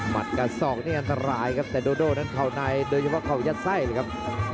กับศอกนี่อันตรายครับแต่โดโดนั้นเข่าในโดยเฉพาะเข่ายัดไส้เลยครับ